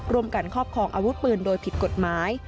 การครอบครองอาวุธปืนโดยผิดกฎหมาย